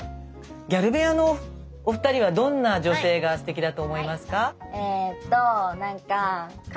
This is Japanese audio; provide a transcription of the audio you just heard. ギャル部屋のお二人はどんな女性がすてきだと思いますか？